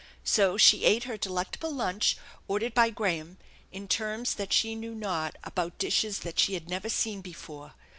So she ate her delectable lunch, ordered by Graham, in terms that she knew not, about dishes that she had never seen before.